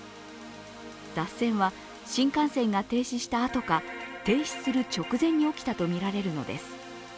脱線は新幹線が停止したあとか停止する直前に起きたとみられるのです。